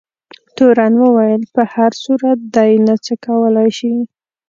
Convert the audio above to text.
تورن وویل په هر صورت دی نه څه کولای شي.